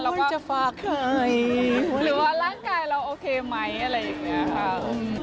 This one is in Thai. แล้วก็หรือว่าร่างกายเราโอเคมั้ยอะไรอย่างนี้ครับ